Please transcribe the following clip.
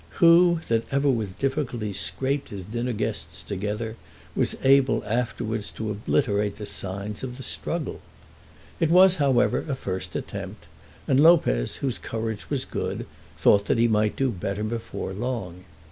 Who, that ever with difficulty scraped his dinner guests together, was able afterwards to obliterate the signs of the struggle? It was, however, a first attempt, and Lopez, whose courage was good, thought that he might do better before long.